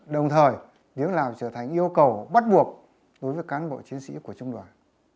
đồng thời tiếng lào trở thành yêu cầu bắt buộc đối với cán bộ chiến sĩ của trung đoàn